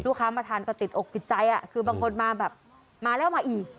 ลูกค้ามาทานก็ติดอกผิดใจคงบางคนมาก็มาอีก